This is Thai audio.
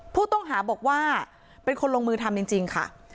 ผู้ต้องหาบอกว่าเป็นคนลงมือทำจริงค่ะ